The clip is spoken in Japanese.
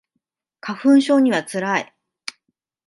花粉症には辛い